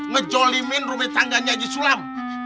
ngejolimin rumah tangganya haji sulam